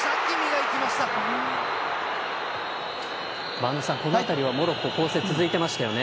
播戸さん、この辺りはモロッコ混戦続いていますね。